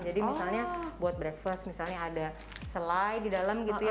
jadi misalnya buat breakfast misalnya ada selai di dalam gitu ya